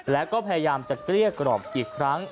และก็พยายามจะเรียกรอบอีกครั้ง